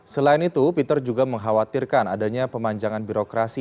selain itu peter juga mengkhawatirkan adanya pemanjangan birokrasi